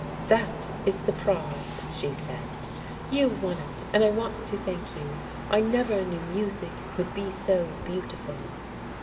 "'That is the prize,' she said. 'You won it, and I want to thank you. I never knew music could be so beautiful.